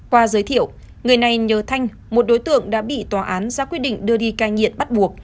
qua giới thiệu người này nhờ thanh một đối tượng đã bị tòa án ra quyết định đưa đi cai nghiện bắt buộc